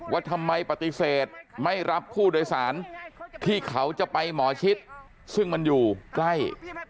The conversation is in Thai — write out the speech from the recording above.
ว่าทำไมปฏิเสธไม่รับผู้โดยสารที่เขาจะไปหมอชิดซึ่งมันอยู่ใกล้